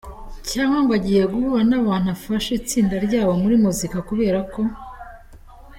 cyangwa ngo agiye guhura nabantu abfasha itsinda ryabo muri muzika kubera ko.